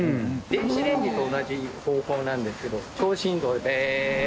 電子レンジと同じ方法なんですけど超振動で。